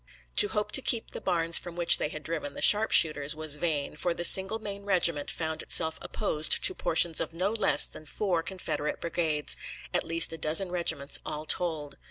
To hope to keep the barns from which they had driven the sharpshooters was vain, for the single Maine regiment found itself opposed to portions of no less than four Confederate brigades, at least a dozen regiments all told.